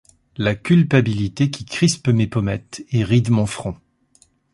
La culpabilité qui crispe mes pommettes et ride mon front.